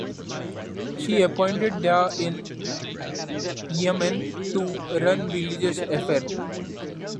She appointed Dai in Yemen to run religious affair.